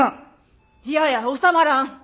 いやや収まらん。